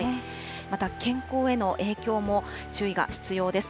また健康への影響も注意が必要です。